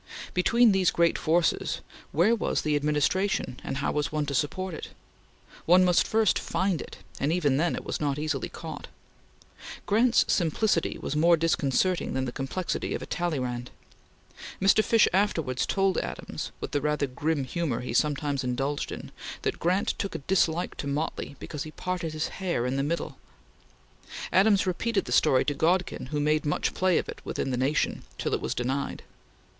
Between these great forces, where was the Administration and how was one to support it? One must first find it, and even then it was not easily caught. Grant's simplicity was more disconcerting than the complexity of a Talleyrand. Mr. Fish afterwards told Adams, with the rather grim humor he sometimes indulged in, that Grant took a dislike to Motley because he parted his hair in the middle. Adams repeated the story to Godkin, who made much play with it in the Nation, till it was denied.